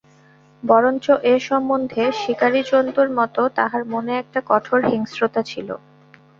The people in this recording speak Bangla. বরঞ্চ এ সম্বন্ধে শিকারি জন্তুর মতো তাহার মনে একটা কঠোর হিংস্রতা ছিল।